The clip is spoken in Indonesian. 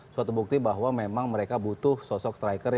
suatu bukti bahwa memang mereka butuh sosok striker